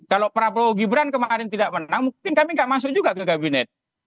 kalau prabowo gibran kemarin tidak menang mungkin kami nggak masuk juga ke kabinet